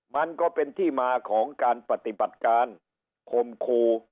มันก็เป็นที่มาของการปฏิบัติการคมครู